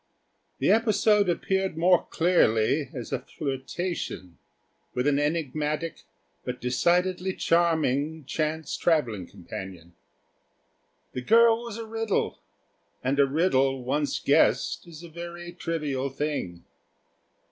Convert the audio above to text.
The episode appeared more clearly, as a flirtation with an enigmatic, but decidedly charming, chance travelling companion. The girl was a riddle, and a riddle once guessed is a very trivial thing.